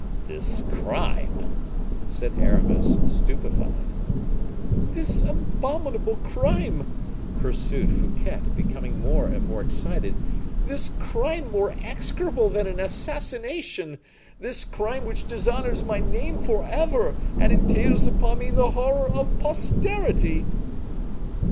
"This crime?" said Aramis, stupefied. "This abominable crime!" pursued Fouquet, becoming more and more excited; "this crime more execrable than an assassination! this crime which dishonors my name forever, and entails upon me the horror of posterity."